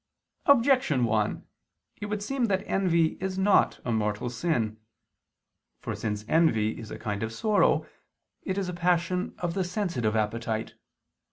Objection 1: It would seem that envy is not a mortal sin. For since envy is a kind of sorrow, it is a passion of the sensitive appetite.